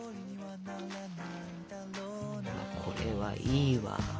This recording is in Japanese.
これはいいわ。